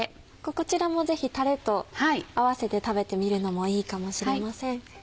こちらもぜひたれと合わせて食べてみるのもいいかもしれません。